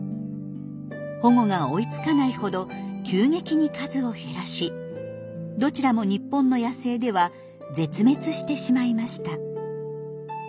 保護が追いつかないほど急激に数を減らしどちらも日本の野生では絶滅してしまいました。